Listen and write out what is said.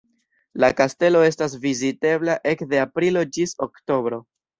La kastelo estas vizitebla ekde aprilo ĝis oktobro.